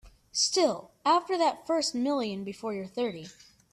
Still after that first million before you're thirty.